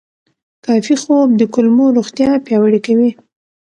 کافي خوب د کولمو روغتیا پیاوړې کوي.